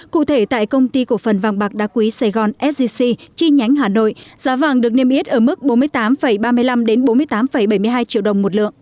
cụ thể tại công ty cổ phần vàng bạc đá quý sài gòn sgc chi nhánh hà nội giá vàng được niêm yết ở mức bốn mươi tám ba mươi năm bốn mươi tám bảy mươi hai triệu đồng một lượng